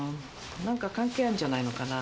何か関係あるんじゃないのかな。